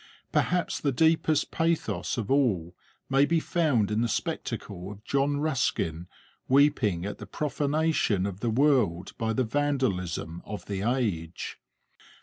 Perhaps the deepest pathos of all may be found in the spectacle of John Ruskin weeping at the profanation of the world by the vandalism of the age.